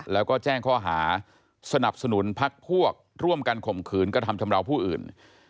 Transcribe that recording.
แล้วก็แจ้งข้อหาสนับสนุนพักพวกร่วมกันข่มขืนกระทำชำราวผู้อื่น